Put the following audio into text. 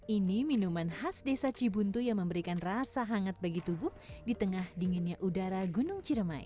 ini minuman khas desa cibuntu yang memberikan rasa hangat bagi tubuh di tengah dinginnya udara gunung ciremai